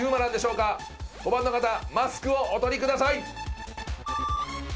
５番の方マスクをお取りください！